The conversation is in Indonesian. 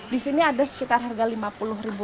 di sini ada sekitar harga rp lima puluh